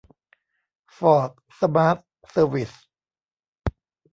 ฟอร์ท สมาร์ท เซอร์วิส